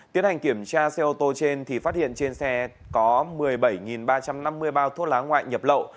tiến hành kiểm tra xe ô tô trên thì phát hiện trên xe có một mươi bảy ba trăm năm mươi bao thuốc lá ngoại nhập lậu